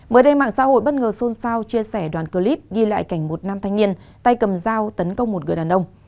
mới đây mạng xã hội bất ngờ xôn xao chia sẻ đoàn clip ghi lại cảnh một nam thanh niên tay cầm dao tấn công một người đàn ông